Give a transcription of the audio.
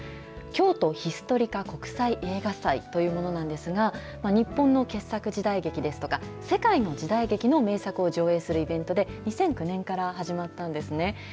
京都ヒストリカ国際映画祭というものなんですが、日本の傑作時代劇ですとか、世界の時代劇の名作を上映するイベントで、２００９年から始まったんですね。